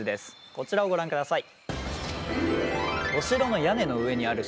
こちらをご覧ください。